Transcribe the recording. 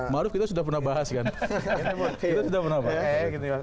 ma'ruf kita sudah pernah bahas kan kita sudah pernah bahas